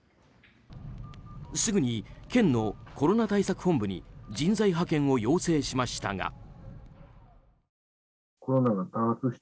すぐに、県のコロナ対策本部に人材派遣を要請しましたが。